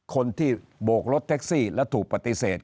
คนที่โบกรถแท็กซี่แล้วถูกปฏิเสธ